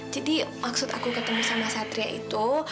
maksud aku ketemu sama satria itu